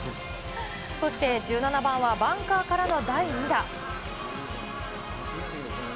そして、１７番はバンカーからの第２打。